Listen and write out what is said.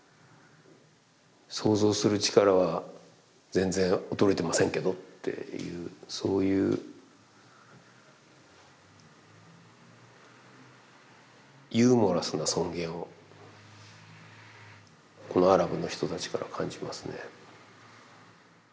想像する力は全然衰えてませんけどっていうそういうこのアラブの人たちから感じますね。